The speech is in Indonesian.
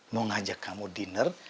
mau ngajak kamu dinner